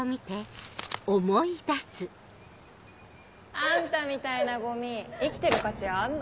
あんたみたいなゴミ生きてる価値あんの？